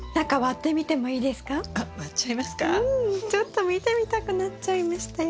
ちょっと見てみたくなっちゃいましたよ。